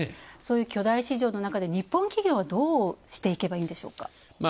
そういう巨大市場のなかで日本企業はどうしていけばいいんでしょうか。